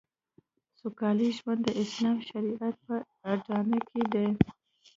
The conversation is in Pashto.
سوکاله ژوند د اسلامي شریعت په اډانه کې دی